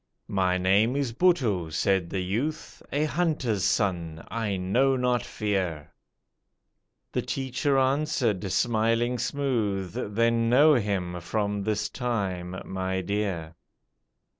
"My name is Buttoo," said the youth, "A hunter's son, I know not Fear;" The teacher answered, smiling smooth, "Then know him from this time, my dear."